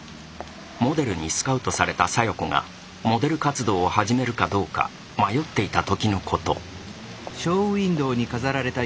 モデルにスカウトされた小夜子がモデル活動を始めるかどうか迷っていた時のこと。